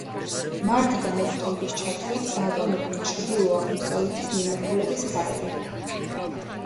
მარტიდან ოქტომბრის ჩათვლით ბატონობენ ჩრდილო-აღმოსავლეთის მიმართულების ქარები.